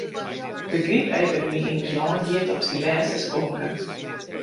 De grypepidemy yn ús lân giet op syn lêste skonken.